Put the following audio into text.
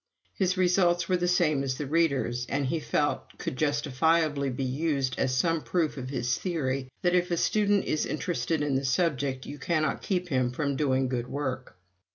His results were the same as the reader's, and, he felt, could justifiably be used as some proof of his theory that, if a student is interested in the subject, you cannot keep him from doing good work.